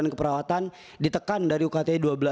keperawatan ditekan dari ukt dua belas